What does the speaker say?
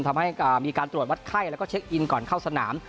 ทำให้มีการตรวจวัดไข้แล้วก็เช็คอินก่อนเข้าสนาม